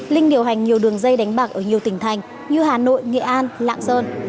linh điều hành nhiều đường dây đánh bạc ở nhiều tỉnh thành như hà nội nghệ an lạng sơn